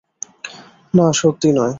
না, সত্যি নয়।